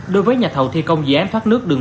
đối với nhà thầu thi công dự án thoát nước đường